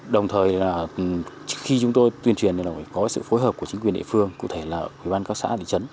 đồng thời khi chúng tôi tuyên truyền chúng tôi có sự phối hợp của chính quyền địa phương cụ thể là quý văn các xã thị trấn